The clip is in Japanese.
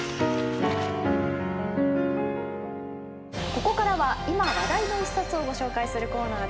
ここからは今話題の一冊をご紹介するコーナーです。